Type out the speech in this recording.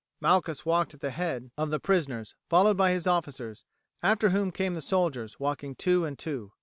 Malchus walked at the head of the prisoners, followed by his officers, after whom came the soldiers walking two and two.